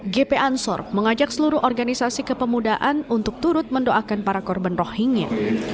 gp ansor mengajak seluruh organisasi kepemudaan untuk turut mendoakan para korban rohingya